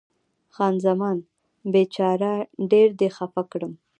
خان زمان: بیچاره، ډېر دې خفه کړم.